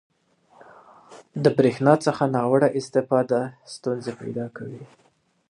• د برېښنا څخه ناوړه استفاده ستونزې پیدا کوي.